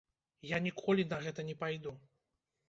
Я ніколі на гэта не пайду.